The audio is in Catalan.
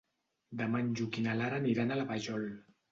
Demà en Lluc i na Lara aniran a la Vajol.